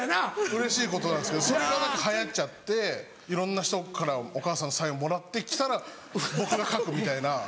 うれしいことなんですけどそれが何か流行っちゃっていろんな人からお母さんのサインをもらって来たら僕が書くみたいな。